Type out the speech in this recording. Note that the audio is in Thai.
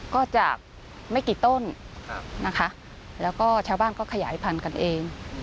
ก็จากไม่กี่ต้นนะคะแล้วก็ชาวบ้านก็ขยายพันธุ์กันเอง